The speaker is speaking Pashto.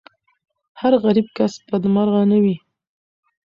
هر غریب کس بدمرغه نه وي.